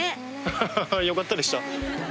ハハハハよかったでした。